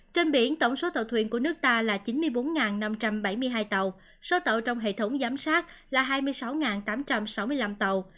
trên biển tổng số tàu thuyền của nước ta là chín mươi bốn năm trăm bảy mươi hai tàu số tàu trong hệ thống giám sát là hai mươi sáu tám trăm sáu mươi năm tàu